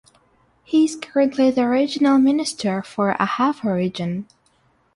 He is currently the Regional Minister for Ahafo region.